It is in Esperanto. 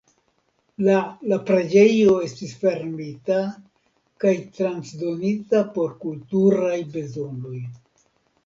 La la preĝejo estis fermita kaj transdonita por kulturaj bezonoj.